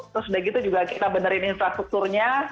terus udah gitu juga kita benerin infrastrukturnya